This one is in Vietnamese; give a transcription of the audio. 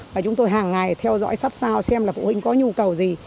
và chúng tôi hàng ngày theo dõi sắp sau xem là phụ huynh có nhu cầu gì